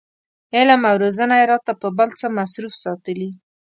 علم او روزنه یې راته په بل څه مصروف ساتلي.